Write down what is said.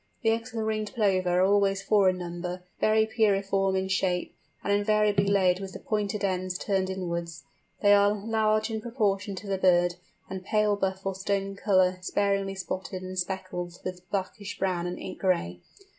The eggs of the Ringed Plover are always four in number, very pyriform in shape, and invariably laid with the pointed ends turned inwards. They are large in proportion to the bird, and pale buff or stone colour sparingly spotted and speckled with blackish brown and ink gray.